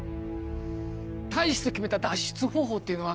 大使と決めた脱出方法っていうのは？